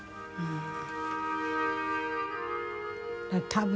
多分